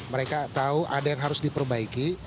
mereka tahu ada yang harus diperbaiki